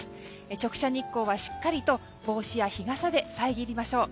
直射日光はしっかりと帽子や日傘で遮りましょう。